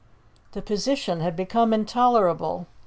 The position had become intolerable.